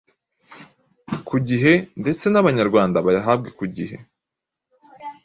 ku gihe ndetse n’Abanyarwanda bayahabwe ku gihe.